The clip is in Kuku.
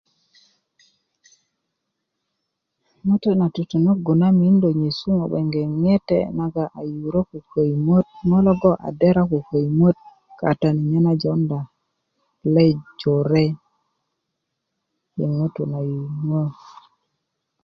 ŋutu na tutunögu na mindi ti nyesi ŋo bgenge ŋete na a yurö ko koyimöt ko ŋo lo a dera ko koyimöt katani nye na jojonda le jore i ŋutu na yuŋundö